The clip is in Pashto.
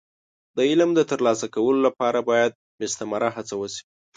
د علم د ترلاسه کولو لپاره باید مستمره هڅه وشي.